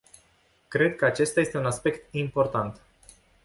Cred că acesta este un aspect important.